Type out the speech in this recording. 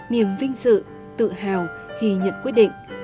niềm vinh sự tự hào khi nhận quyết định